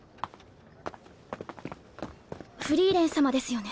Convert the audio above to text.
フリーレン様ですよね？